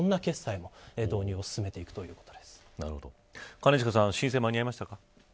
兼近さん申請、間に合いましたか。